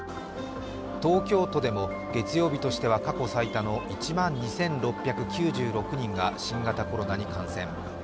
東京都でも月曜日としては過去最多の１万２６９６人が新型コロナに感染。